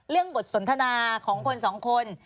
เรื่องบทสนทนาของคนสองคน